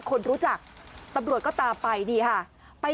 กลุ่มหนึ่งก็คือ